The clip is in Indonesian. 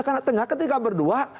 karena ketika berdua